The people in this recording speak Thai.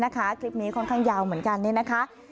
คลิปนี้ค่อนข้างยาวเหมือนกันเนี่ยนะคะ